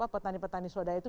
petani petani swadaya itu